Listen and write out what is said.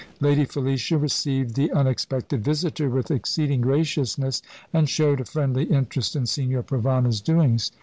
Lady Felicia received the unexpected visitor with exceeding graciousness, and showed a friendly interest in Signor Provana's doings.